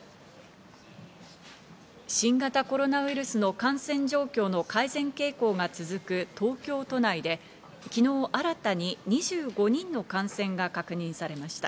新型コロナウイルスの感染状況の改善傾向が続く東京都内で昨日新たに２５人の感染が確認されました。